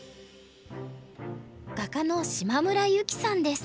画家の島村由希さんです。